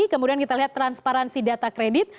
kemudian kita lihat transparansi data kredit